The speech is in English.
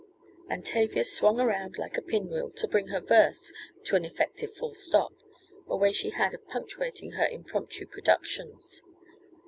And Tavia swung around like a pin wheel to bring her "verse" to an effective full stop a way she had of punctuating her impromptu productions.